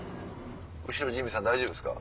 後ろジミーさん大丈夫ですか？